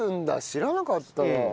知らなかったな。